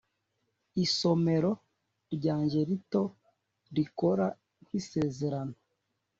isomero ryanjye rito rikora nk'isezerano